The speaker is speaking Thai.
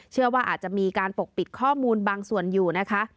เชื่อว่าอาจจะมีการปกปิดข้อมูลบางส่วนอยู่นะคะ